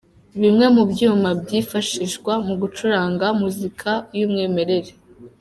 Bimwe mu byuma byifashishwa mu gucuranga muzika y'umwimerere.